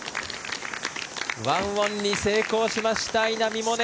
１オンに成功しました稲見萌寧。